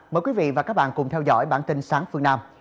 mời quý vị và các bạn cùng theo dõi bản tin sáng phương nam